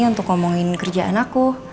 untuk ngomongin kerjaan aku